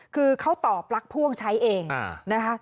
คือเขาต่อปลั๊กพ่วงใช้เองนะคะ